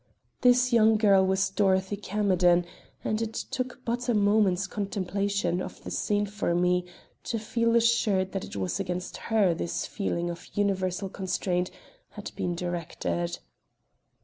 This young girl was Dorothy Camerden, and it took but a moment's contemplation of the scene for me to feel assured that it was against her this feeling of universal constraint had been directed.